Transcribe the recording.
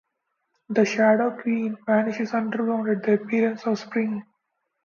The Shadow Queen vanishes underground at the appearance of spring.